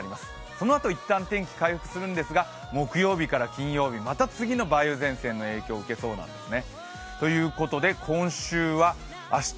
そのあといったん天気、回復するんですが木曜日から金曜日、また次の梅雨前線の影響を受けそうなんですね。